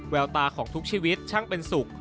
แววตาของทุกชีวิตช่างเป็นสุข